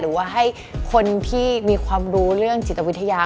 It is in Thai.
หรือว่าให้คนที่มีความรู้เรื่องจิตวิทยา